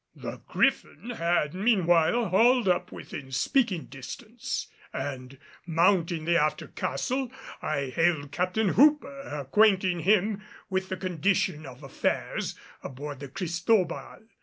The Griffin had meanwhile hauled up within speaking distance and, mounting the after castle, I hailed Captain Hooper, acquainting him with the condition of affairs aboard the Cristobal.